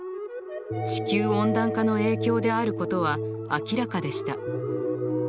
地球温暖化の影響であることは明らかでした。